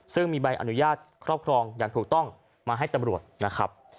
ซึ่งมีใบอนุญาตครอบครองอย่างถูกต้องมาให้ตำรวจนะครับ